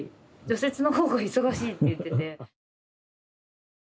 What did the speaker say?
除雪の方が忙しいって言ってて。